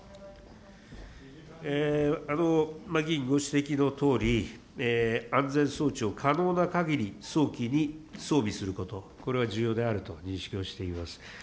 議員ご指摘のとおり、安全装置を可能なかぎり早期に装備すること、これは重要であると認識をしております。